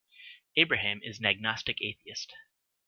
Abraham is an agnostic atheist.